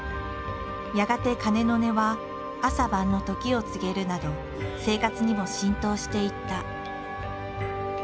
やがて鐘の音は朝晩の時を告げるなど生活にも浸透していった。